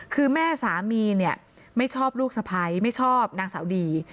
คือแม่สามีเนี่ยไม่ชอบลูกสะพ้ายไม่ชอบนางสาวดี